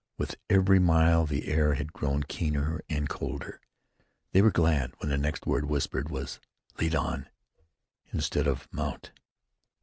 With every mile the air had grown keener and colder. They were glad when the next word whispered was, "Lead on" instead of "Mount."